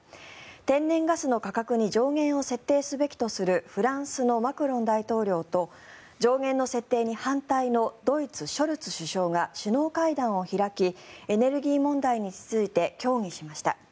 天然ガスの価格に上限を設定すべきとするフランスのマクロン大統領と上限の設定に反対のドイツ、ショルツ首相が首脳会談を開きエネルギー問題について協議しました。